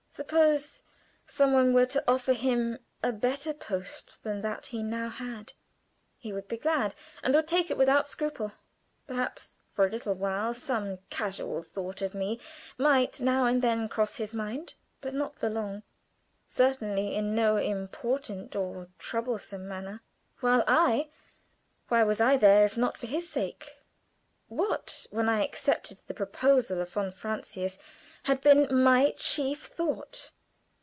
Suppose some one were to offer him a better post than that he now had. He would be glad, and would take it without a scruple. Perhaps, for a little while some casual thought of me might now and then cross his mind but not for long; certainly in no importunate or troublesome manner. While I why was I there, if not for his sake? What, when I accepted the proposal of von Francius, had been my chief thought?